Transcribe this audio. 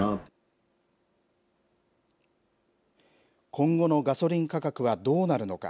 今後のガソリン価格はどうなるのか。